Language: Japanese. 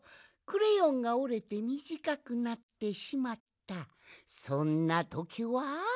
クレヨンがおれてみじかくなってしまったそんなときは。